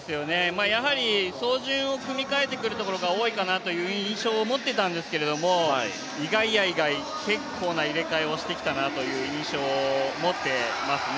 走順を組み換えてくるところが多いかなという印象を持っていたんですけど意外や意外、結構な入れ替えをしてきたなという印象を持っていますね。